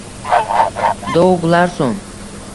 Doug Larson